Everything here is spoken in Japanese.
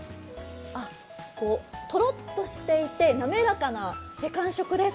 とろっとしていて滑らかな感触です。